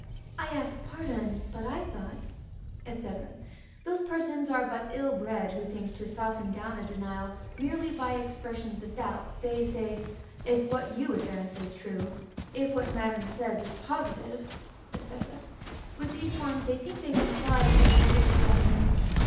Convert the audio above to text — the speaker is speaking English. _ I ask pardon, but I thought, &c. Those persons are but ill bred, who think to soften down a denial merely by expressions of doubt. They say, if what you advance is true, if what madam says is positive, &c. With these forms, they think they comply with the rules of politeness.